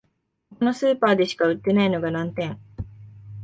ここのスーパーでしか売ってないのが難点